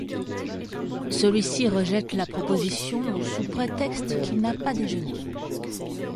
Celui-ci rejette la proposition sous prétexte qu’il n’a pas déjeuné.